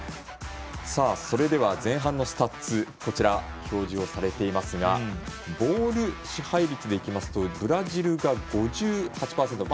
それでは、前半のスタッツが表示されていますがボール支配率で行きますとブラジルが５８％。